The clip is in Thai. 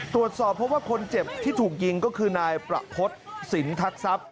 ตรวจสอบเพราะว่าคนเจ็บที่ถูกยิงก็คือนายประพฤติสินทัศย